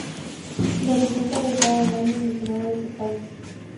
Representa al estado de Maine en el Senado de ese país.